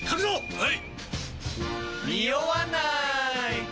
はい。